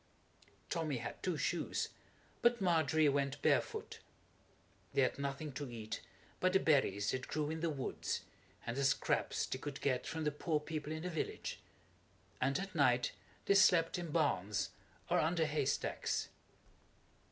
Tommy had two shoes, but Margery went barefoot. They had nothing to eat but the berries that grew in the woods, and the scraps they could get from the poor people in the village, and at night they slept in barns or under hay stacks.